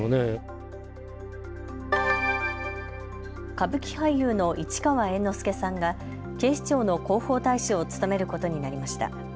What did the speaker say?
歌舞伎俳優の市川猿之助さんが警視庁の広報大使を務めることになりました。